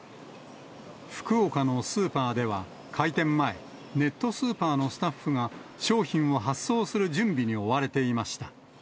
福岡のスーパーでは開店前、ネットスーパーのスタッフが、商品を発送する準備に追われていました。